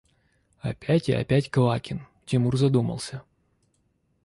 – Опять и опять Квакин! – Тимур задумался.